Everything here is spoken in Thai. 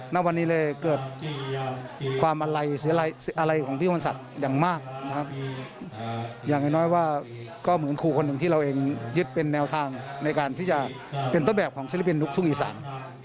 ณวันนี้เลยเกิดความอะไรเสียอะไรของพี่มนต์ศักดิ์อย่างมากนะครับอย่างน้อยว่าก็เหมือนครูคนหนึ่งที่เราเองยึดเป็นแนวทางในการที่จะเป็นต้นแบบของศิลปินลูกทุ่งอีสาน